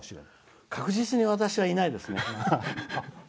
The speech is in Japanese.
確実に私はいないですね。